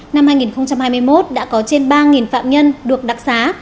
năm hai nghìn hai mươi một đã có trên ba phạm nhân được đặc xá